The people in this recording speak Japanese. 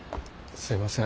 すいません。